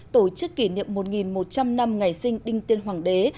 tổ chức kỷ niệm một một trăm linh năm ngày sinh đinh tiên hoàng đế